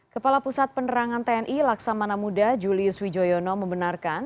kepala pusat penerangan tni laksamana muda julius wijoyono membenarkan